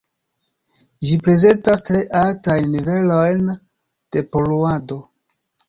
Ĝi prezentas tre altajn nivelojn de poluado.